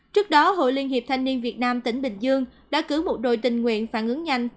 trước đó hội liên hiệp thanh niên việt nam tỉnh bình dương đã cử một đội tình nguyện phản ứng nhanh